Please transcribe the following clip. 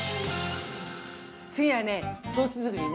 ◆次はねソース作りね。